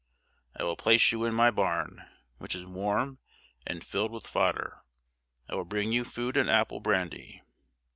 I will place you in my barn, which is warm, and filled with fodder. I will bring you food and apple brandy.